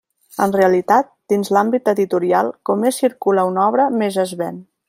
En realitat, dins l'àmbit editorial, com més circula una obra, més es ven.